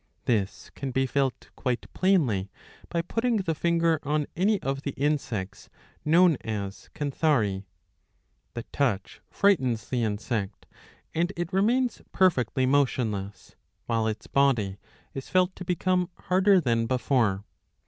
This can be feltjquite plainly by putting the finger on any of the insects known as Canthari.^ ' The touch frightens the insect, 'and it remains perfectly motionless, while its body is felt to become harder than before.